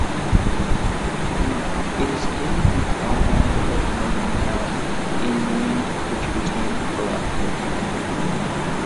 It is in the townland of Monintown, a name which became corrupted.